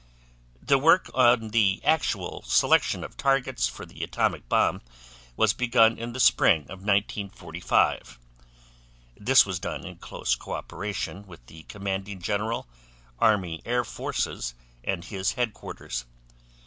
The work on the actual selection of targets for the atomic bomb was begun in the spring of 1945. This was done in close cooperation with the Commanding General, Army Air Forces, and his Headquarters.